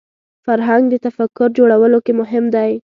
فرهنګ د تفکر جوړولو کې مهم دی